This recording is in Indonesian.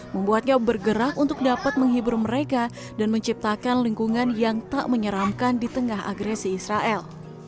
membuatnya bergerak untuk dapat menghibur mereka dan menciptakan lingkungan yang tak menyeramkan di tengah agresi israel